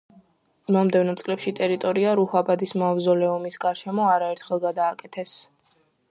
მომდევნო წლებში ტერიტორია რუჰაბადის მავზოლეუმის გარშემო არაერთხელ გადააკეთეს.